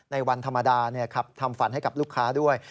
ในวันธรรมดาขับทำฝันให้กับลูกค้าด้วย